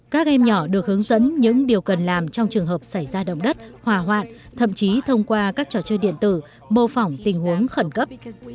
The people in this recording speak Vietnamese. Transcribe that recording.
các em nhỏ được hướng dẫn những điều cần làm trong trường hợp xảy ra động đất hỏa hoạn thậm chí thông qua các trò chơi điện tử mô phỏng tình huống khẩn cấp